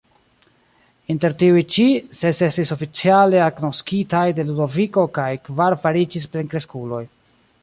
Inter tiuj ĉi, ses estis oficiale agnoskitaj de Ludoviko kaj kvar fariĝis plenkreskuloj.